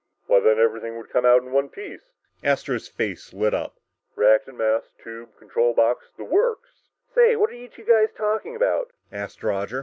"Why, then everything would come out in one piece!" Astro's face lit up. "Reactant mass, tube, control box the works!" "Say, what are you two guys talking about?"